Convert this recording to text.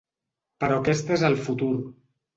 Però aquest és el futur.